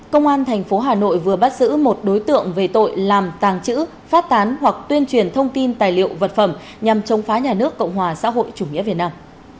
công an thành phố hà nội vừa bắt giữ một đối tượng về tội làm tàng trữ phát tán hoặc tuyên truyền thông tin tài liệu vật phẩm nhằm chống phá nhà nước cộng hòa xã hội chủ nghĩa việt nam